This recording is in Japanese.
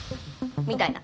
みたいな。